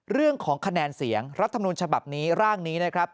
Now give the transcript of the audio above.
เรื่องของคะแนนเสียงรัฐมนุนฉบับนี้ร่างนี้นะครับ